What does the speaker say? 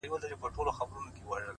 راسه چي زړه ښه درته خالي كـړمـه;